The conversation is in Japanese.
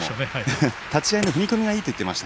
立ち合いの踏み込みがいいと言っていました。